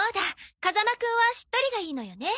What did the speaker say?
風間くんはしっとりがいいのよね。